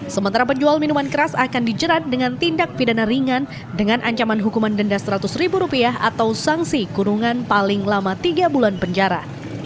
sementara penjual minuman keras akan dijerat dengan tindak pidana ringan dengan ancaman hukuman denda seratus ribu rupiah atau sanksi kurungan paling lama tiga bulan penjara